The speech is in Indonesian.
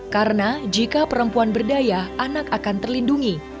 karena jika perempuan berdaya anak akan terlindungi